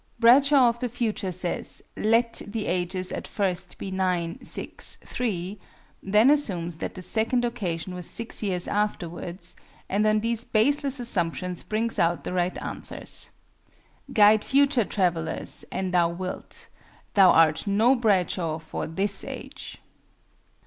BRADSHAW OF THE FUTURE says "let" the ages at first be 9, 6, 3, then assumes that the second occasion was 6 years afterwards, and on these baseless assumptions brings out the right answers. Guide future travellers, an thou wilt: thou art no Bradshaw for this Age!